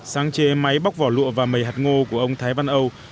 sáng chế máy bóc vỏ lụa và mầy hạt ngô của ông thái văn âu